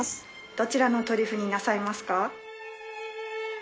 どちらのトリュフになさいますか？